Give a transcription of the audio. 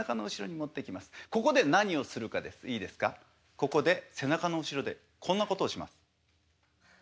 ここで背中の後ろでこんなことをします。